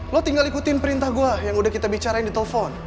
lo tinggal ikutin perintah gue yang udah kita bicarain di telepon